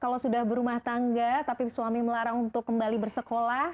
kalau sudah berumah tangga tapi suami melarang untuk kembali bersekolah